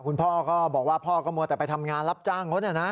คุณพ่อก็บอกว่าพ่อก็มัวแต่ไปทำงานรับจ้างเขาเนี่ยนะ